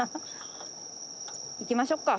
行きましょっか。